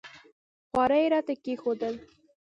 خواړه یې راته کښېښودل.